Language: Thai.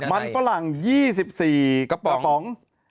มันฝรั่ง๒๔กระป๋อง